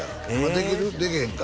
できる？できへんか？